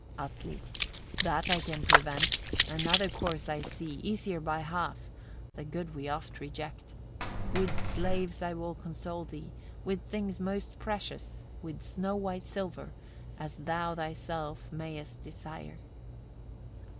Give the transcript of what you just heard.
Atli. 66. That I can prevent; another course I see, easier by half: the good we oft reject. With slaves I will console thee, with things most precious, with snow white silver, as thou thyself mayest desire.